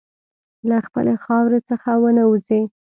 له خپلې خاورې څخه ونه وځې.